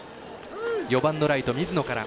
４番のライト水野から。